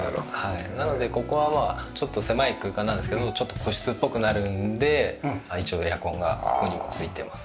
なのでここはちょっと狭い空間なんですけどちょっと個室っぽくなるので一応エアコンがここにも付いてます。